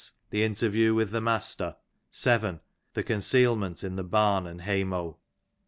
The interview with the master. 7. The concealment in the bam and hay mow.